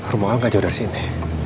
rumah orang gak jauh dari sini